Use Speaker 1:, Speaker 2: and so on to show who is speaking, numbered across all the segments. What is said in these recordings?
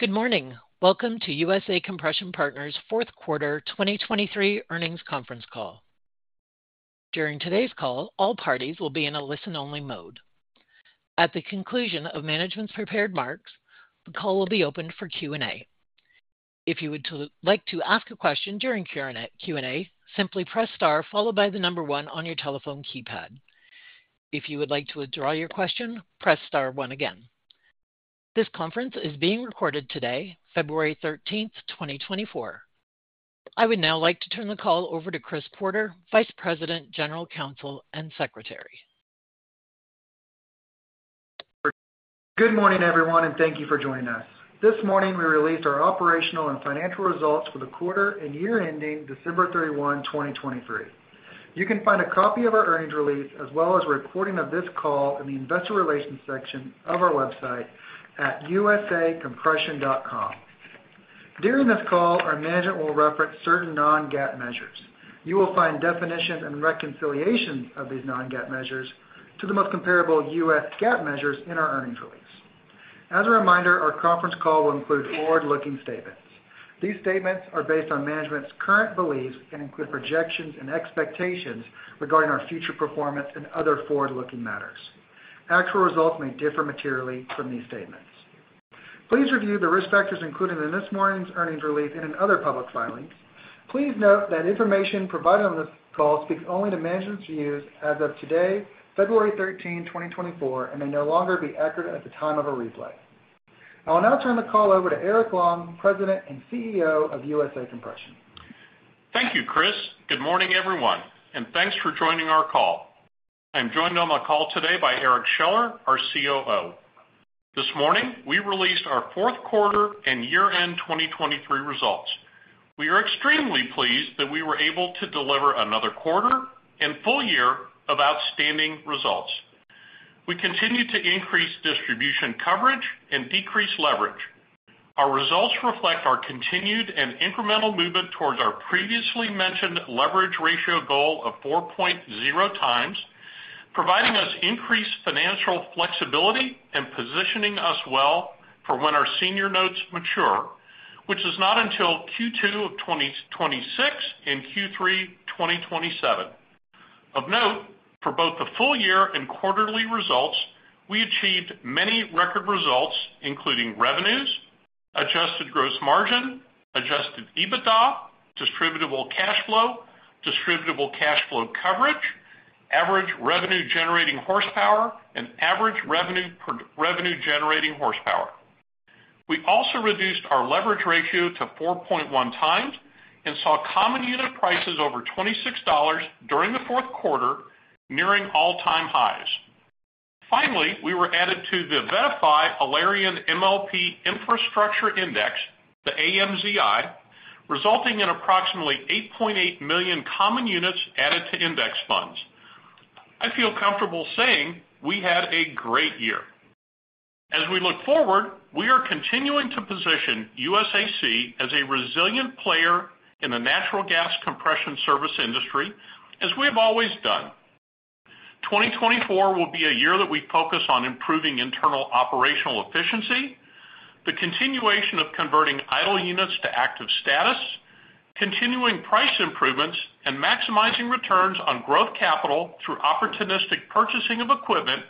Speaker 1: Good morning. Welcome to USA Compression Partners' Fourth Quarter 2023 Earnings Conference Call. During today's call, all parties will be in a listen-only mode. At the conclusion of management's prepared remarks, the call will be opened for Q&A. If you would like to ask a question during Q&A, simply press star followed by the number one on your telephone keypad. If you would like to withdraw your question, press star one again. This conference is being recorded today, February 13, 2024. I would now like to turn the call over to Chris Porter, Vice President, General Counsel, and Secretary.
Speaker 2: Good morning, everyone, and thank you for joining us. This morning we released our operational and financial results for the quarter and year-ending December 31, 2023. You can find a copy of our earnings release as well as a recording of this call in the investor relations section of our website at usacompression.com. During this call, our management will reference certain non-GAAP measures. You will find definitions and reconciliations of these non-GAAP measures to the most comparable U.S. GAAP measures in our earnings release. As a reminder, our conference call will include forward-looking statements. These statements are based on management's current beliefs and include projections and expectations regarding our future performance and other forward-looking matters. Actual results may differ materially from these statements. Please review the risk factors included in this morning's earnings release and in other public filings. Please note that information provided on this call speaks only to management's views as of today, February 13, 2024, and may no longer be accurate at the time of a replay. I will now turn the call over to Eric Long, President and CEO of USA Compression.
Speaker 3: Thank you, Chris. Good morning, everyone, and thanks for joining our call. I am joined on my call today by Eric Scheller, our COO. This morning we released our Fourth Quarter and Year-end 2023 Results. We are extremely pleased that we were able to deliver another quarter and full year of outstanding results. We continue to increase distribution coverage and decrease leverage. Our results reflect our continued and incremental movement towards our previously mentioned leverage ratio goal of 4.0 times, providing us increased financial flexibility and positioning us well for when our senior notes mature, which is not until Q2 of 2026 and Q3 2027. Of note, for both the full year and quarterly results, we achieved many record results, including revenues, adjusted gross margin, adjusted EBITDA, distributable cash flow, distributable cash flow coverage, average revenue-generating horsepower, and average revenue-generating horsepower. We also reduced our leverage ratio to 4.1 times and saw common unit prices over $26 during the fourth quarter, nearing all-time highs. Finally, we were added to the VettaFi Alerian MLP Infrastructure Index, the AMZI, resulting in approximately 8.8 million common units added to index funds. I feel comfortable saying we had a great year. As we look forward, we are continuing to position USAC as a resilient player in the natural gas compression service industry, as we have always done. 2024 will be a year that we focus on improving internal operational efficiency, the continuation of converting idle units to active status, continuing price improvements, and maximizing returns on growth capital through opportunistic purchasing of equipment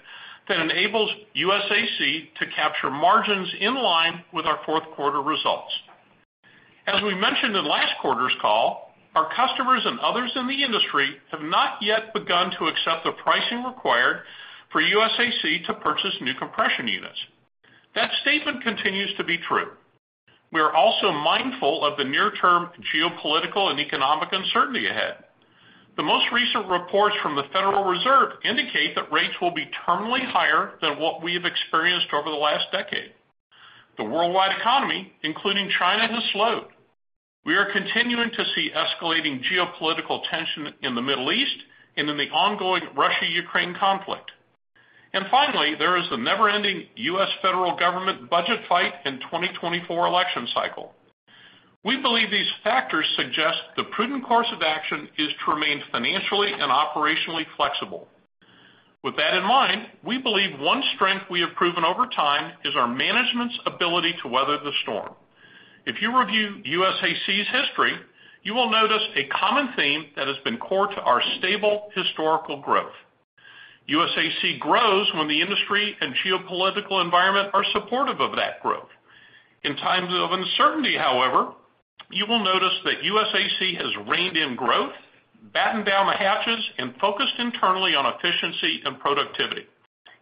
Speaker 3: that enables USAC to capture margins in line with our fourth quarter results. As we mentioned in last quarter's call, our customers and others in the industry have not yet begun to accept the pricing required for USAC to purchase new compression units. That statement continues to be true. We are also mindful of the near-term geopolitical and economic uncertainty ahead. The most recent reports from the Federal Reserve indicate that rates will be terminally higher than what we have experienced over the last decade. The worldwide economy, including China, has slowed. We are continuing to see escalating geopolitical tension in the Middle East and in the ongoing Russia-Ukraine conflict. And finally, there is the never-ending U.S. federal government budget fight and 2024 election cycle. We believe these factors suggest the prudent course of action is to remain financially and operationally flexible. With that in mind, we believe one strength we have proven over time is our management's ability to weather the storm. If you review USAC's history, you will notice a common theme that has been core to our stable historical growth. USAC grows when the industry and geopolitical environment are supportive of that growth. In times of uncertainty, however, you will notice that USAC has reined in growth, battened down the hatches, and focused internally on efficiency and productivity.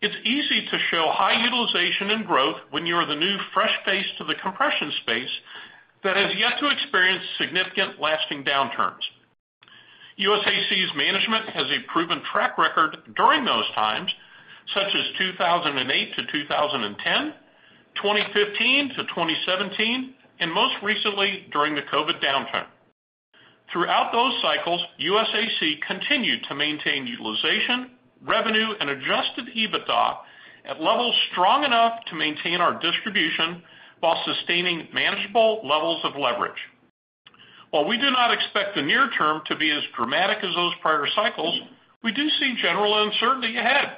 Speaker 3: It's easy to show high utilization and growth when you are the new fresh face to the compression space that has yet to experience significant lasting downturns. USAC's management has a proven track record during those times, such as 2008-2010, 2015-2017, and most recently during the COVID downturn. Throughout those cycles, USAC continued to maintain utilization, revenue, and Adjusted EBITDA at levels strong enough to maintain our distribution while sustaining manageable levels of leverage. While we do not expect the near term to be as dramatic as those prior cycles, we do see general uncertainty ahead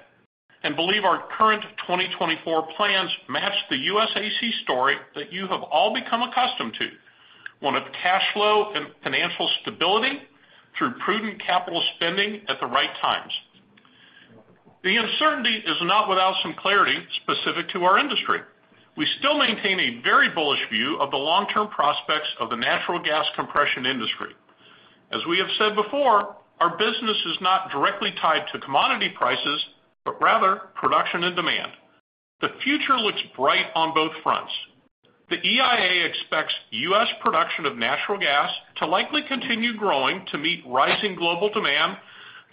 Speaker 3: and believe our current 2024 plans match the USAC story that you have all become accustomed to, one of cash flow and financial stability through prudent capital spending at the right times. The uncertainty is not without some clarity specific to our industry. We still maintain a very bullish view of the long-term prospects of the natural gas compression industry. As we have said before, our business is not directly tied to commodity prices but rather production and demand. The future looks bright on both fronts. The EIA expects U.S. production of natural gas to likely continue growing to meet rising global demand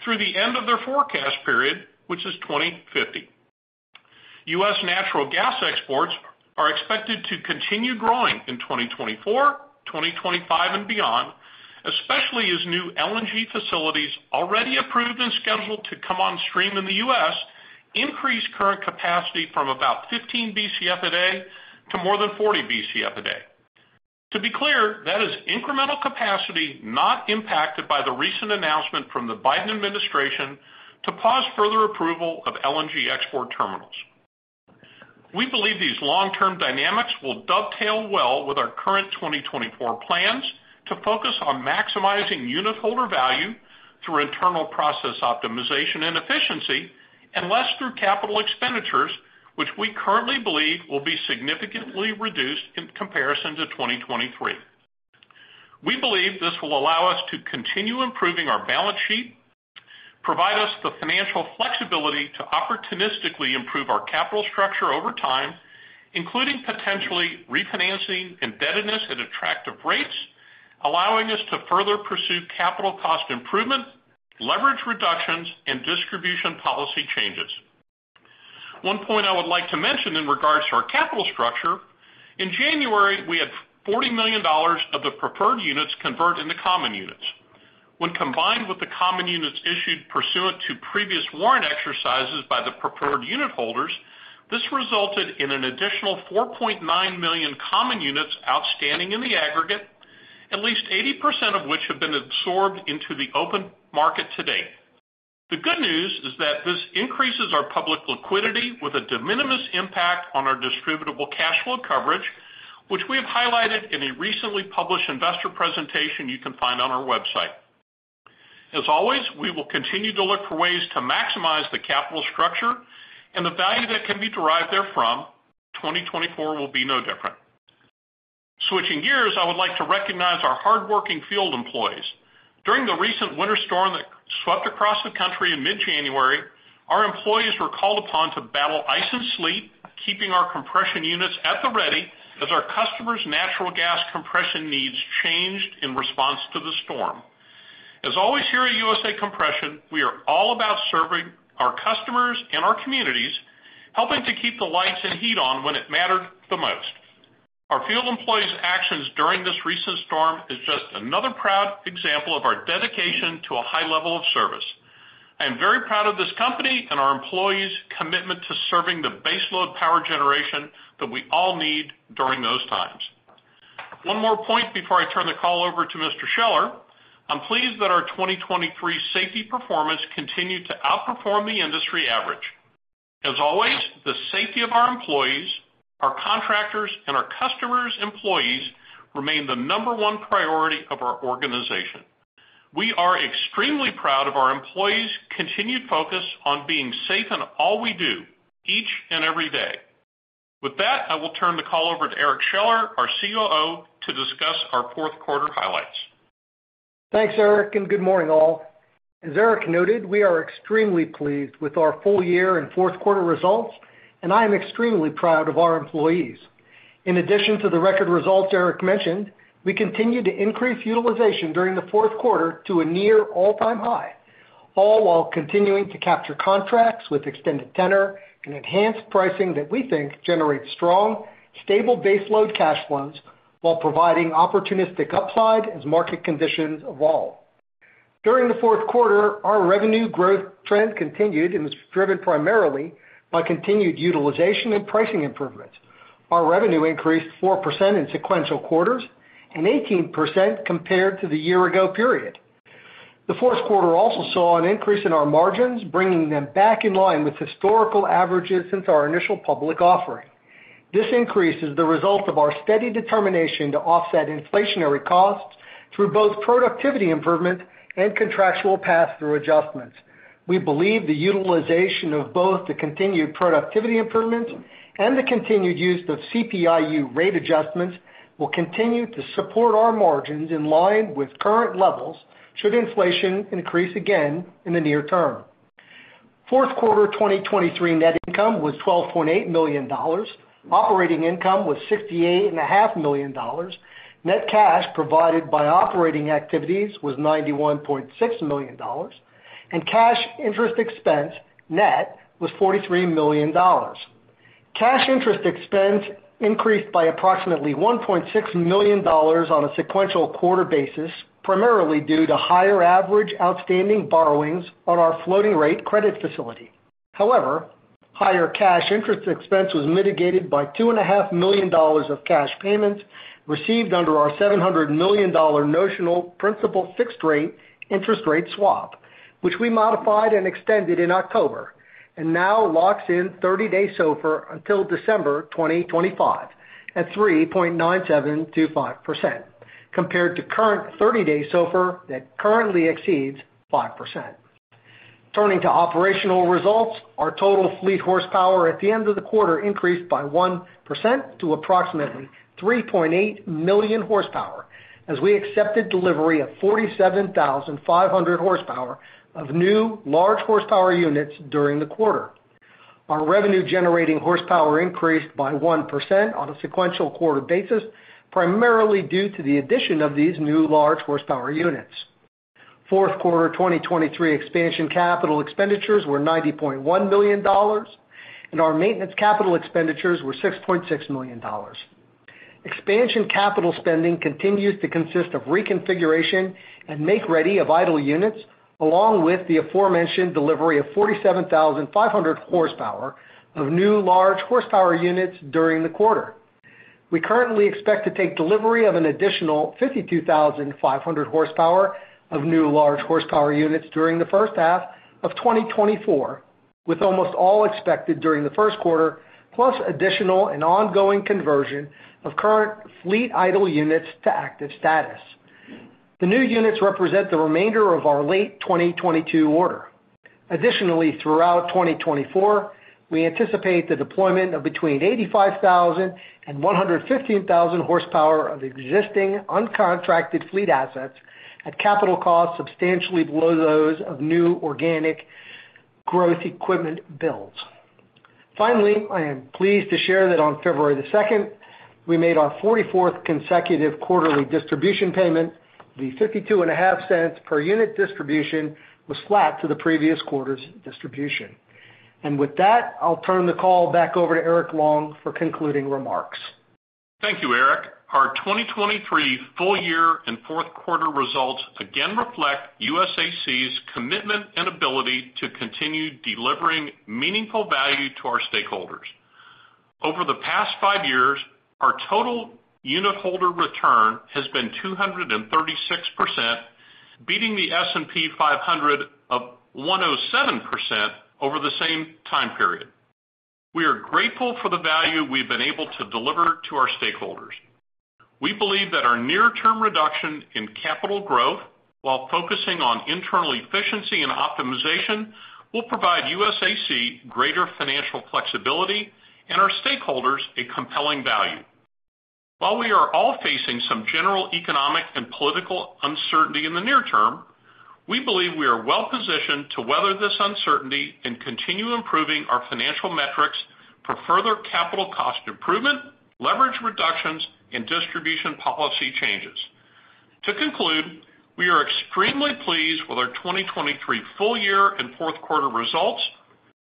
Speaker 3: through the end of their forecast period, which is 2050. U.S. natural gas exports are expected to continue growing in 2024, 2025, and beyond, especially as new LNG facilities already approved and scheduled to come on stream in the U.S. increase current capacity from about 15 BCF a day to more than 40 BCF a day. To be clear, that is incremental capacity not impacted by the recent announcement from the Biden administration to pause further approval of LNG export terminals. We believe these long-term dynamics will dovetail well with our current 2024 plans to focus on maximizing unit holder value through internal process optimization and efficiency and less through capital expenditures, which we currently believe will be significantly reduced in comparison to 2023. We believe this will allow us to continue improving our balance sheet, provide us the financial flexibility to opportunistically improve our capital structure over time, including potentially refinancing indebtedness at attractive rates, allowing us to further pursue capital cost improvement, leverage reductions, and distribution policy changes. One point I would like to mention in regards to our capital structure. In January, we had $40 million of the preferred units convert into common units. When combined with the common units issued pursuant to previous warrant exercises by the preferred unit holders, this resulted in an additional 4.9 million common units outstanding in the aggregate, at least 80% of which have been absorbed into the open market to date. The good news is that this increases our public liquidity with a de minimis impact on our distributable cash flow coverage, which we have highlighted in a recently published investor presentation you can find on our website. As always, we will continue to look for ways to maximize the capital structure and the value that can be derived therefrom. 2024 will be no different. Switching gears, I would like to recognize our hardworking field employees. During the recent winter storm that swept across the country in mid-January, our employees were called upon to battle ice and sleet, keeping our compression units at the ready as our customers' natural gas compression needs changed in response to the storm. As always here at USA Compression, we are all about serving our customers and our communities, helping to keep the lights and heat on when it mattered the most. Our field employees' actions during this recent storm are just another proud example of our dedication to a high level of service. I am very proud of this company and our employees' commitment to serving the baseload power generation that we all need during those times. One more point before I turn the call over to Mr. Scheller. I'm pleased that our 2023 safety performance continued to outperform the industry average. As always, the safety of our employees, our contractors, and our customers' employees remains the number one priority of our organization. We are extremely proud of our employees' continued focus on being safe in all we do, each and every day. With that, I will turn the call over to Eric Scheller, our COO, to discuss our fourth quarter highlights.
Speaker 4: Thanks, Eric, and good morning, all. As Eric noted, we are extremely pleased with our full year and fourth quarter results, and I am extremely proud of our employees. In addition to the record results Eric mentioned, we continue to increase utilization during the fourth quarter to a near all-time high, all while continuing to capture contracts with extended tenor and enhanced pricing that we think generates strong, stable baseload cash flows while providing opportunistic upside as market conditions evolve. During the fourth quarter, our revenue growth trend continued and was driven primarily by continued utilization and pricing improvements. Our revenue increased 4% in sequential quarters and 18% compared to the year-ago period. The fourth quarter also saw an increase in our margins, bringing them back in line with historical averages since our initial public offering. This increase is the result of our steady determination to offset inflationary costs through both productivity improvements and contractual pass-through adjustments. We believe the utilization of both the continued productivity improvements and the continued use of CPI-U rate adjustments will continue to support our margins in line with current levels should inflation increase again in the near term. Fourth quarter 2023 net income was $12.8 million, operating income was $68.5 million, net cash provided by operating activities was $91.6 million, and cash interest expense net was $43 million. Cash interest expense increased by approximately $1.6 million on a sequential quarter basis, primarily due to higher average outstanding borrowings on our floating rate credit facility. However, higher cash interest expense was mitigated by $2.5 million of cash payments received under our $700 million notional principal fixed rate interest rate swap, which we modified and extended in October and now locks in 30-day SOFR until December 2025 at 3.9725% compared to current 30-day SOFR that currently exceeds 5%. Turning to operational results, our total fleet horsepower at the end of the quarter increased by 1% to approximately 3.8 million horsepower as we accepted delivery of 47,500 horsepower of new large horsepower units during the quarter. Our revenue-generating horsepower increased by 1% on a sequential quarter basis, primarily due to the addition of these new large horsepower units. Fourth quarter 2023 expansion capital expenditures were $90.1 million, and our maintenance capital expenditures were $6.6 million. Expansion capital spending continues to consist of reconfiguration and make-ready of idle units, along with the aforementioned delivery of 47,500 horsepower of new large horsepower units during the quarter. We currently expect to take delivery of an additional 52,500 horsepower of new large horsepower units during the first half of 2024, with almost all expected during the first quarter, plus additional and ongoing conversion of current fleet idle units to active status. The new units represent the remainder of our late 2022 order. Additionally, throughout 2024, we anticipate the deployment of between 85,000 and 115,000 horsepower of existing uncontracted fleet assets at capital costs substantially below those of new organic growth equipment builds. Finally, I am pleased to share that on February 2nd, we made our 44th consecutive quarterly distribution payment. The $0.525 per unit distribution was flat to the previous quarter's distribution. With that, I'll turn the call back over to Eric Long for concluding remarks.
Speaker 3: Thank you, Eric. Our 2023 full year and fourth quarter results again reflect USAC's commitment and ability to continue delivering meaningful value to our stakeholders. Over the past five years, our total unitholder return has been 236%, beating the S&P 500 of 107% over the same time period. We are grateful for the value we've been able to deliver to our stakeholders. We believe that our near-term reduction in capital growth, while focusing on internal efficiency and optimization, will provide USAC greater financial flexibility and our stakeholders a compelling value. While we are all facing some general economic and political uncertainty in the near term, we believe we are well positioned to weather this uncertainty and continue improving our financial metrics for further capital cost improvement, leverage reductions, and distribution policy changes. To conclude, we are extremely pleased with our 2023 full year and fourth quarter results,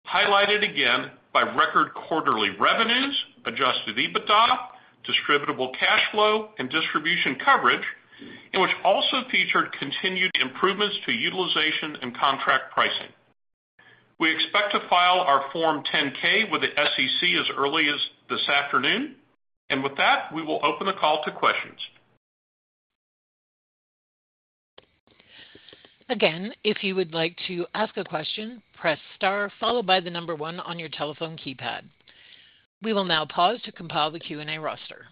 Speaker 3: highlighted again by record quarterly revenues, Adjusted EBITDA, Distributable Cash Flow, and Distribution Coverage, in which also featured continued improvements to utilization and contract pricing. We expect to file our Form 10-K with the SEC as early as this afternoon. With that, we will open the call to questions.
Speaker 1: Again, if you would like to ask a question, press star followed by the number one on your telephone keypad. We will now pause to compile the Q&A roster.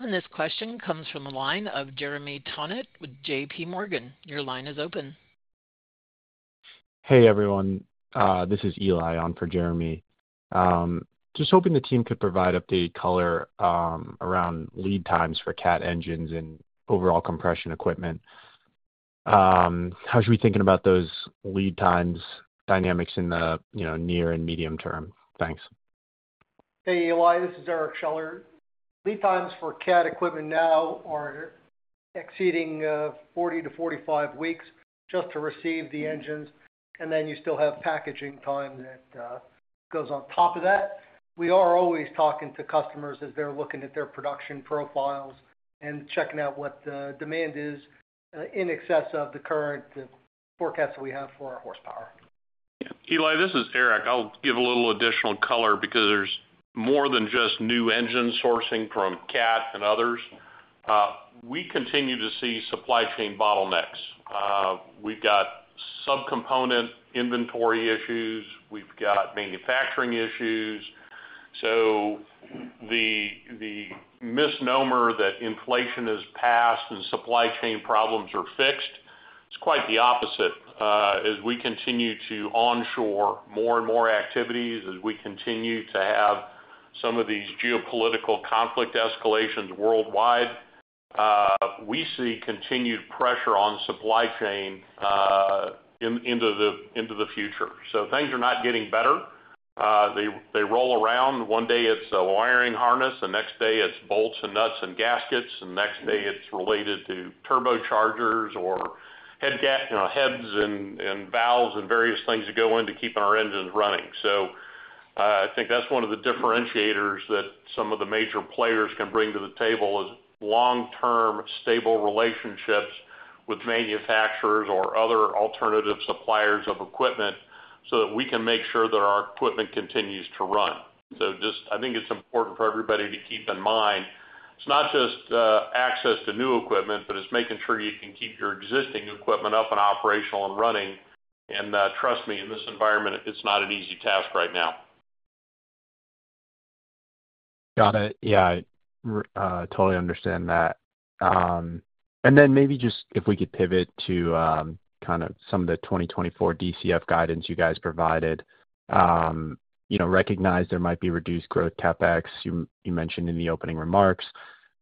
Speaker 1: This question comes from the line of Jeremy Tonet with J.P. Morgan. Your line is open.
Speaker 5: Hey, everyone. This is Eli on for Jeremy. Just hoping the team could provide updated color around lead times for CAT engines and overall compression equipment. How should we be thinking about those lead times dynamics in the near and medium term? Thanks.
Speaker 4: Hey, Eli. This is Eric Scheller. Lead times for CAT equipment now are exceeding 40-45 weeks just to receive the engines, and then you still have packaging time that goes on top of that. We are always talking to customers as they're looking at their production profiles and checking out what the demand is in excess of the current forecast that we have for our horsepower.
Speaker 3: Eli, this is Eric. I'll give a little additional color because there's more than just new engine sourcing from CAT and others. We continue to see supply chain bottlenecks. We've got subcomponent inventory issues. We've got manufacturing issues. So the misnomer that inflation has passed and supply chain problems are fixed, it's quite the opposite. As we continue to onshore more and more activities, as we continue to have some of these geopolitical conflict escalations worldwide, we see continued pressure on supply chain into the future. So things are not getting better. They roll around. One day, it's a wiring harness. The next day, it's bolts and nuts and gaskets. The next day, it's related to turbochargers or heads and valves and various things that go into keeping our engines running. So I think that's one of the differentiators that some of the major players can bring to the table is long-term stable relationships with manufacturers or other alternative suppliers of equipment so that we can make sure that our equipment continues to run. So I think it's important for everybody to keep in mind. It's not just access to new equipment, but it's making sure you can keep your existing equipment up and operational and running. And trust me, in this environment, it's not an easy task right now.
Speaker 5: Got it. Yeah, I totally understand that. And then maybe just if we could pivot to kind of some of the 2024 DCF guidance you guys provided, recognize there might be reduced growth CapEx you mentioned in the opening remarks,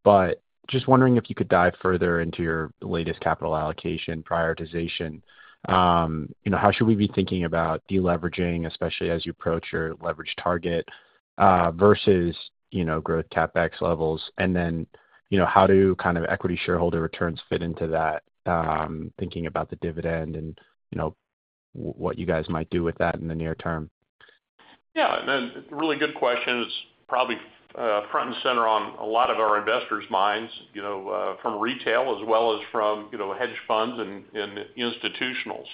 Speaker 5: but just wondering if you could dive further into your latest capital allocation prioritization. How should we be thinking about deleveraging, especially as you approach your leverage target versus growth CapEx levels? And then how do kind of equity shareholder returns fit into that, thinking about the dividend and what you guys might do with that in the near term?
Speaker 3: Yeah. And then it's a really good question. It's probably front and center on a lot of our investors' minds, from retail as well as from hedge funds and institutionals.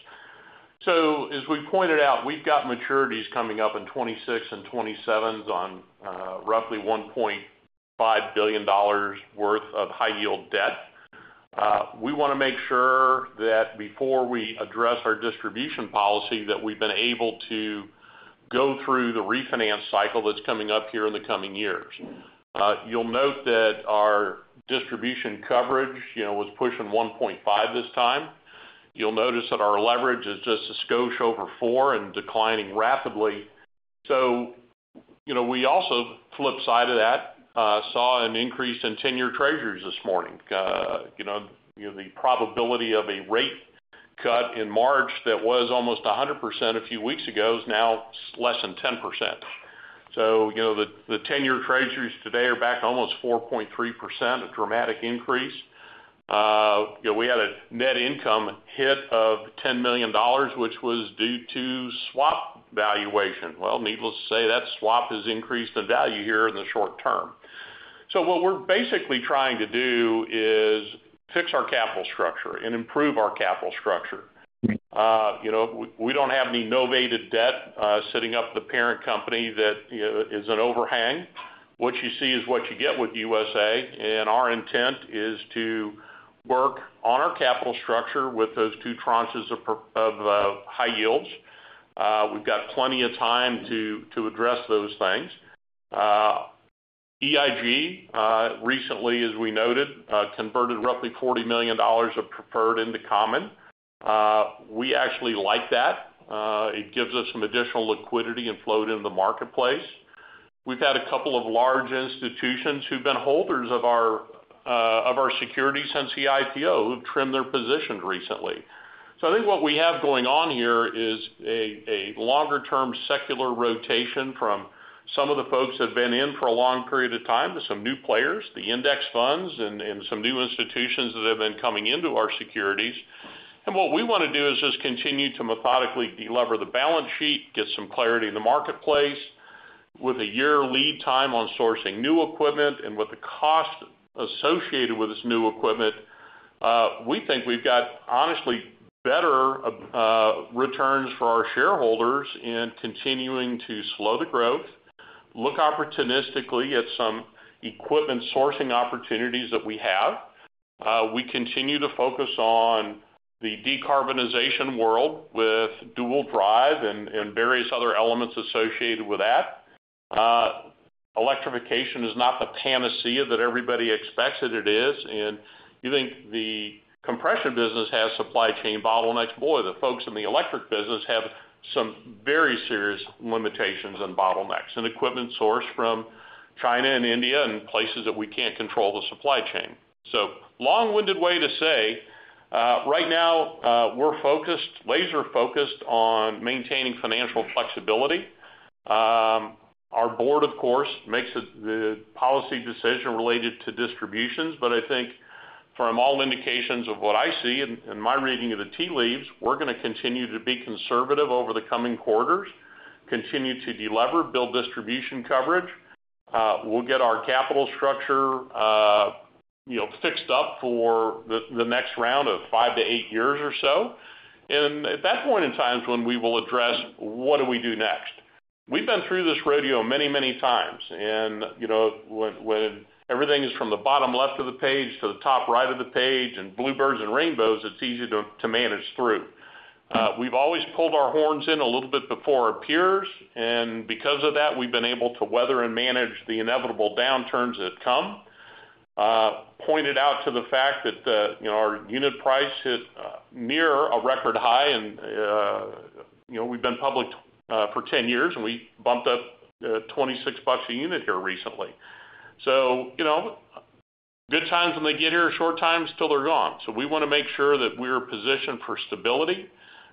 Speaker 3: So as we pointed out, we've got maturities coming up in 2026 and 2027s on roughly $1.5 billion worth of high-yield debt. We want to make sure that before we address our distribution policy, that we've been able to go through the refinance cycle that's coming up here in the coming years. You'll note that our distribution coverage was pushing 1.5 this time. You'll notice that our leverage is just a skosh over 4 and declining rapidly. So we also flipped side of that, saw an increase in 10-year treasuries this morning. The probability of a rate cut in March that was almost 100% a few weeks ago is now less than 10%. So the 10-year Treasuries today are back almost 4.3%, a dramatic increase. We had a net income hit of $10 million, which was due to swap valuation. Well, needless to say, that swap has increased in value here in the short term. So what we're basically trying to do is fix our capital structure and improve our capital structure. We don't have any novated debt sitting up the parent company that is an overhang. What you see is what you get with USA. And our intent is to work on our capital structure with those two tranches of high yields. We've got plenty of time to address those things. EIG, recently, as we noted, converted roughly $40 million of preferred into common. We actually like that. It gives us some additional liquidity and flow into the marketplace. We've had a couple of large institutions who've been holders of our securities since the IPO who've trimmed their positions recently. So I think what we have going on here is a longer-term secular rotation from some of the folks that have been in for a long period of time to some new players, the index funds and some new institutions that have been coming into our securities. And what we want to do is just continue to methodically delever the balance sheet, get some clarity in the marketplace. With a year lead time on sourcing new equipment and with the cost associated with this new equipment, we think we've got, honestly, better returns for our shareholders in continuing to slow the growth, look opportunistically at some equipment sourcing opportunities that we have. We continue to focus on the decarbonization world with Dual Drive and various other elements associated with that. Electrification is not the panacea that everybody expects that it is. You think the compression business has supply chain bottlenecks. Boy, the folks in the electric business have some very serious limitations and bottlenecks and equipment sourced from China and India and places that we can't control the supply chain. So long-winded way to say, right now, we're laser-focused on maintaining financial flexibility. Our board, of course, makes the policy decision related to distributions. I think from all indications of what I see in my reading of the tea leaves, we're going to continue to be conservative over the coming quarters, continue to delever, build distribution coverage. We'll get our capital structure fixed up for the next round of five to eight years or so. And at that point in time is when we will address what do we do next? We've been through this rodeo many, many times. And when everything is from the bottom left of the page to the top right of the page and bluebirds and rainbows, it's easy to manage through. We've always pulled our horns in a little bit before our peers. And because of that, we've been able to weather and manage the inevitable downturns that come. Pointed out to the fact that our unit price hit near a record high. And we've been public for 10 years, and we bumped up $26 a unit here recently. So good times when they get here, short times till they're gone. So we want to make sure that we're positioned for stability,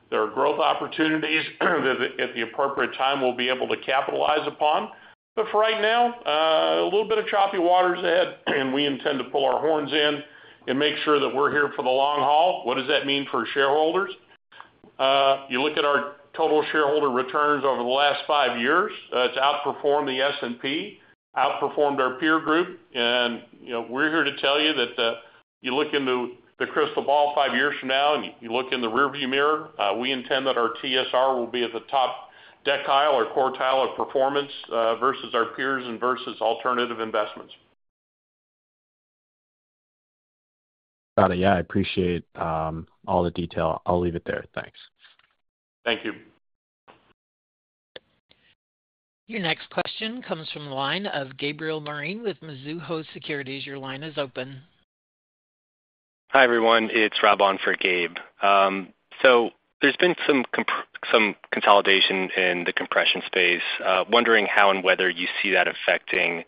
Speaker 3: there are growth opportunities that at the appropriate time, we'll be able to capitalize upon. But for right now, a little bit of choppy waters ahead, and we intend to pull our horns in and make sure that we're here for the long haul. What does that mean for shareholders? You look at our total shareholder returns over the last five years, it's outperformed the S&P, outperformed our peer group. And we're here to tell you that you look into the crystal ball five years from now, and you look in the rearview mirror, we intend that our TSR will be at the top decile or quartile of performance versus our peers and versus alternative investments.
Speaker 5: Got it. Yeah, I appreciate all the detail. I'll leave it there. Thanks.
Speaker 3: Thank you.
Speaker 1: Your next question comes from the line of Gabriel Moreen with Mizuho Securities. Your line is open.
Speaker 6: Hi, everyone. It's Rob on for Gabe. So there's been some consolidation in the compression space. Wondering how and whether you see that affecting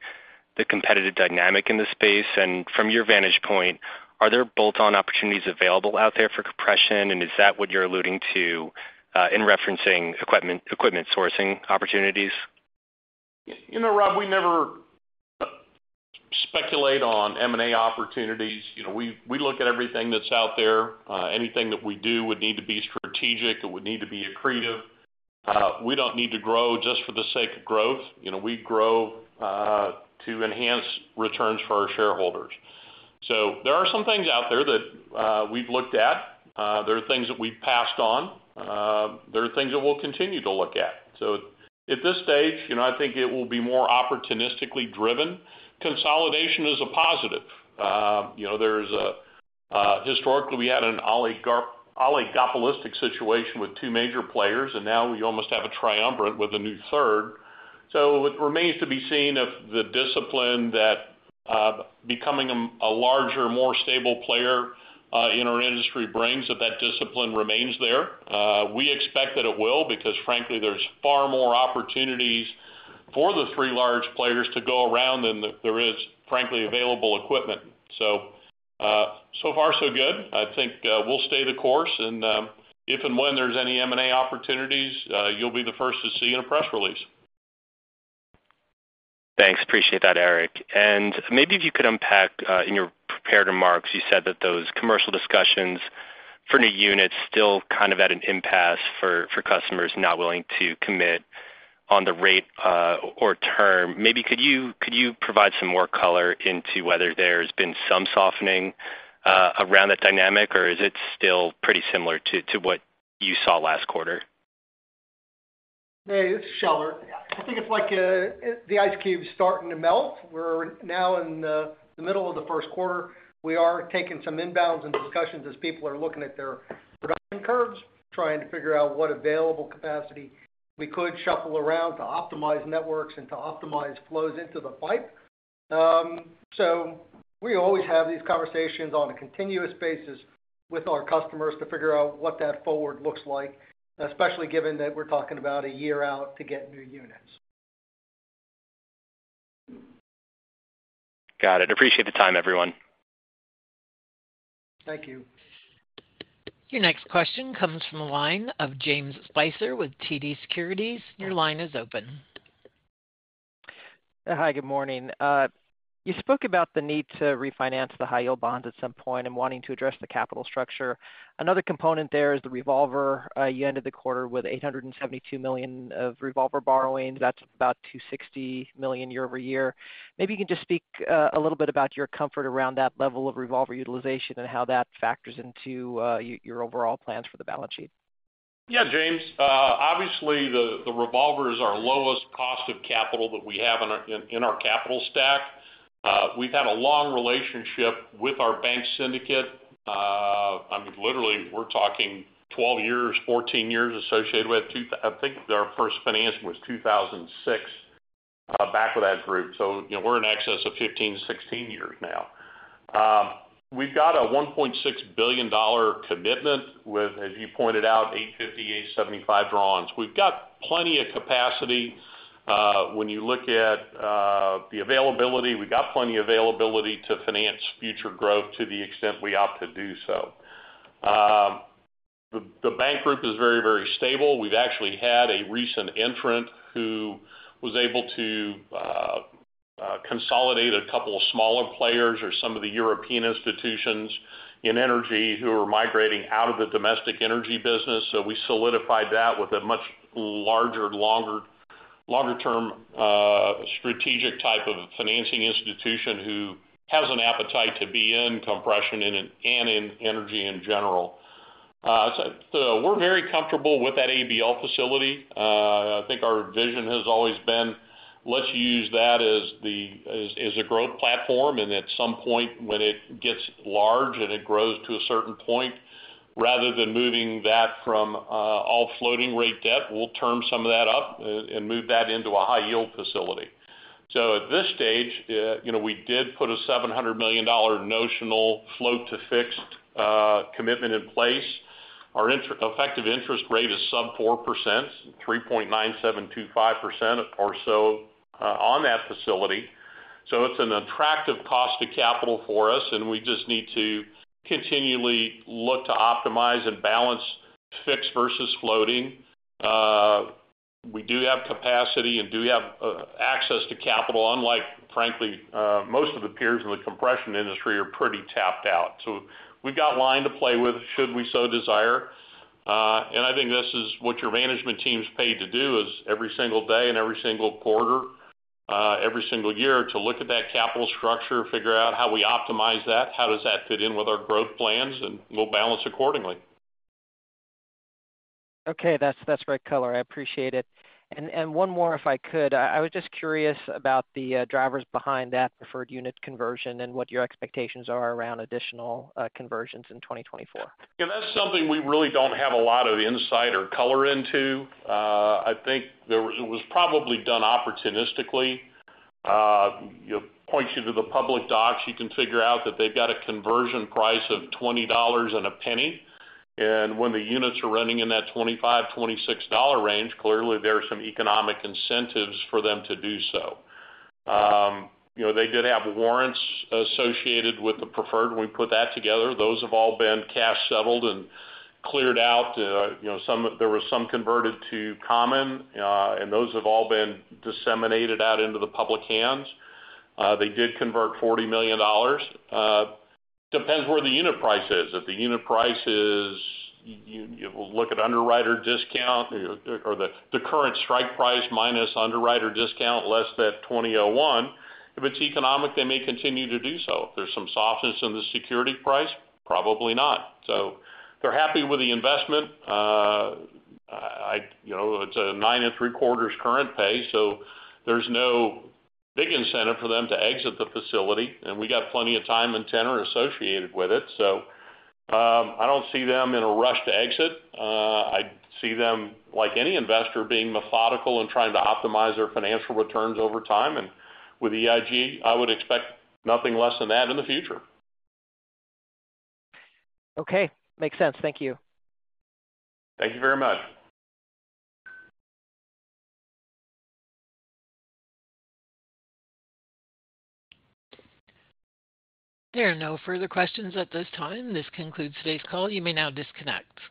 Speaker 6: the competitive dynamic in the space. And from your vantage point, are there bolt-on opportunities available out there for compression? And is that what you're alluding to in referencing equipment sourcing opportunities?
Speaker 3: Rob, we never speculate on M&A opportunities. We look at everything that's out there. Anything that we do would need to be strategic. It would need to be accretive. We don't need to grow just for the sake of growth. We grow to enhance returns for our shareholders. So there are some things out there that we've looked at. There are things that we've passed on. There are things that we'll continue to look at. So at this stage, I think it will be more opportunistically driven. Consolidation is a positive. Historically, we had an oligopolistic situation with two major players, and now we almost have a triumvirate with a new third. So it remains to be seen if the discipline that becoming a larger, more stable player in our industry brings, if that discipline remains there. We expect that it will because, frankly, there's far more opportunities for the three large players to go around than there is, frankly, available equipment. So far so good. I think we'll stay the course. And if and when there's any M&A opportunities, you'll be the first to see in a press release.
Speaker 6: Thanks. Appreciate that, Eric. And maybe if you could unpack in your prepared remarks, you said that those commercial discussions for new units still kind of at an impasse for customers not willing to commit on the rate or term. Maybe could you provide some more color into whether there's been some softening around that dynamic, or is it still pretty similar to what you saw last quarter?
Speaker 4: Hey, this is Scheller. I think it's like the ice cube's starting to melt. We're now in the middle of the first quarter. We are taking some inbounds and discussions as people are looking at their production curves, trying to figure out what available capacity we could shuffle around to optimize networks and to optimize flows into the pipe. So we always have these conversations on a continuous basis with our customers to figure out what that forward looks like, especially given that we're talking about a year out to get new units.
Speaker 6: Got it. Appreciate the time, everyone.
Speaker 4: Thank you.
Speaker 1: Your next question comes from the line of James Spicer with TD Securities. Your line is open.
Speaker 7: Hi, good morning. You spoke about the need to refinance the high-yield bonds at some point and wanting to address the capital structure. Another component there is the revolver. You ended the quarter with $872 million of revolver borrowings. That's about $260 million year-over-year. Maybe you can just speak a little bit about your comfort around that level of revolver utilization and how that factors into your overall plans for the balance sheet.
Speaker 3: Yeah, James. Obviously, the revolvers are lowest cost of capital that we have in our capital stack. We've had a long relationship with our bank syndicate. I mean, literally, we're talking 12 years, 14 years associated with it. I think our first financing was 2006 back with that group. So we're in excess of 15, 16 years now. We've got a $1.6 billion commitment with, as you pointed out, 850-875 drawn. We've got plenty of capacity. When you look at the availability, we got plenty of availability to finance future growth to the extent we opt to do so. The bank group is very, very stable. We've actually had a recent entrant who was able to consolidate a couple of smaller players or some of the European institutions in energy who were migrating out of the domestic energy business. So we solidified that with a much larger, longer-term strategic type of financing institution who has an appetite to be in compression and in energy in general. So we're very comfortable with that ABL facility. I think our vision has always been, let's use that as a growth platform. And at some point, when it gets large and it grows to a certain point, rather than moving that from all floating-rate debt, we'll term some of that up and move that into a high-yield facility. So at this stage, we did put a $700 million notional float-to-fixed commitment in place. Our effective interest rate is sub 4%, 3.9725% or so on that facility. So it's an attractive cost of capital for us, and we just need to continually look to optimize and balance fixed versus floating. We do have capacity and do have access to capital, unlike, frankly, most of the peers in the compression industry are pretty tapped out. So we've got line to play with should we so desire. And I think this is what your management team's paid to do every single day and every single quarter, every single year, to look at that capital structure, figure out how we optimize that, how does that fit in with our growth plans, and we'll balance accordingly.
Speaker 7: Okay, that's great color. I appreciate it. One more, if I could. I was just curious about the drivers behind that preferred unit conversion and what your expectations are around additional conversions in 2024.
Speaker 3: That's something we really don't have a lot of insight or color into. I think it was probably done opportunistically. Points you to the public docs, you can figure out that they've got a conversion price of $20.01. And when the units are running in that $25-$26 range, clearly, there are some economic incentives for them to do so. They did have warrants associated with the preferred. When we put that together, those have all been cash settled and cleared out. There was some converted to common, and those have all been disseminated out into the public hands. They did convert $40 million. Depends where the unit price is. If the unit price is we'll look at underwriter discount or the current strike price minus underwriter discount less than $20.01. If it's economic, they may continue to do so. If there's some softness in the security price, probably not. So they're happy with the investment. It's a 9.75 current pay, so there's no big incentive for them to exit the facility. And we got plenty of time and tenor associated with it. So I don't see them in a rush to exit. I see them, like any investor, being methodical and trying to optimize their financial returns over time. And with EIG, I would expect nothing less than that in the future.
Speaker 7: Okay, makes sense. Thank you.
Speaker 3: Thank you very much.
Speaker 1: There are no further questions at this time. This concludes today's call. You may now disconnect.